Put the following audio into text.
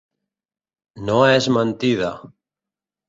No és mentida.